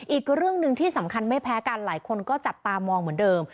อีกเรื่องหนึ่งที่สำคัญไม่แพ้กันหลายคนก็จับตามองเหมือนเดิม